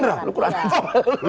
dari gerindra lu kurang tahu